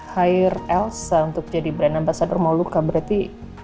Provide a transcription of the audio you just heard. hire elsa untuk jadi berenang bahasa dura mau luka berarti